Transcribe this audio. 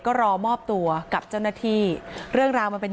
ก็รอมอบตัวกับเจ้าหน้าที่เรื่องราวมันเป็น